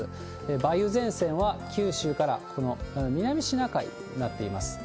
梅雨前線は九州からこの南シナ海、なっています。